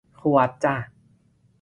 ขวดจ้ะ